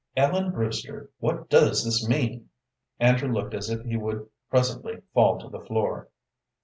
"Ellen Brewster, what does this mean?" Andrew looked as if he would presently fall to the floor.